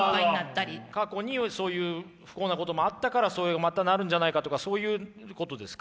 過去にそういう不幸なこともあったからそういうまたなるんじゃないかとかそういうことですか？